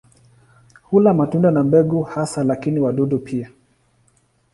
Hula matunda na mbegu hasa lakini wadudu pia.